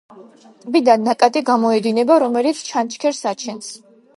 ტბიდან ნაკადი გამოედინება, რომელიც ჩანჩქერს აჩენს.